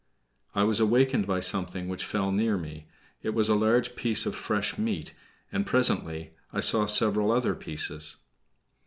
I was awakened by something which fell near me. It was a large piece of fresh meat, and presently I saw several other pieces.